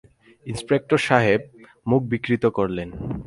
Inspector সাহেব মুখ বিকৃত করলেন।